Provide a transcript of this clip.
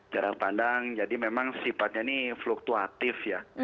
jarak pandang jadi memang sifatnya ini fluktuatif ya